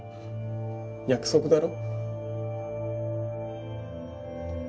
約束だろ？